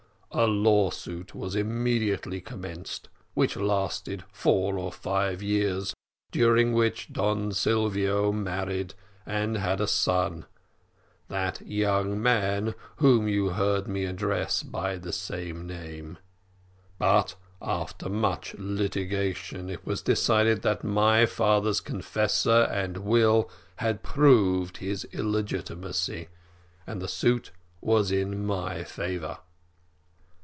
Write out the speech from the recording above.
A lawsuit was immediately commenced, which lasted four or five years, during which Don Silvio married, and had a son, that young man whom you heard me address by the same name; but after much litigation, it was decided that my father's confessor and will had proved his illegitimacy, and the suit was in my favour.